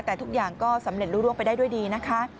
แต่ทุกอย่างก็สำเร็จรู้ร่วงไปได้ด้วยดีนะคะ